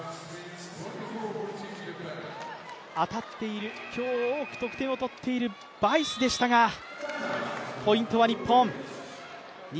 当たっている、今日多く得点をとっているバイスでしたがポイントは日本。